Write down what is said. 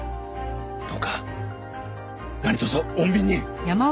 どうか何とぞ穏便に。